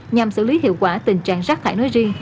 nhằm xử lý hiệu quả tình trạng rác thải nói riêng